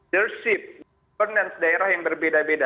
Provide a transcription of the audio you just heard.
dership governance daerah yang berbeda beda